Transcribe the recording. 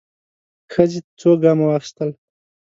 ښځې څو ګامه واخيستل.